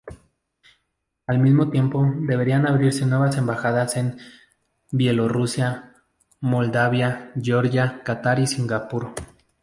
Al mismo tiempo, deberían abrirse nuevas embajadas en Bielorrusia, Moldavia, Georgia, Qatar y Singapur.